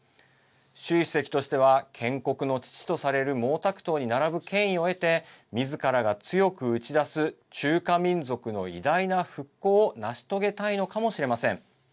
習主席としては建国の父とされる毛沢東に並ぶ権威を得てみずからが強く打ち出す中華民族の偉大な復興を成し遂げたいのかもしれません。